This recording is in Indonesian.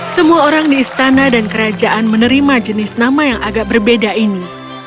semua orang di istana dan kerajaan menerima jenis nama yang agak berbeda ini